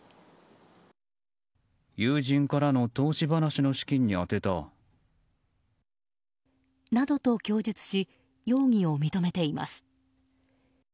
友人からの投資話の資金に充てた。などと供述し容疑を認めています。